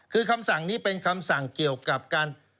คือคำสั่งนี้เป็นคำสั่งเกี่ยวกับการ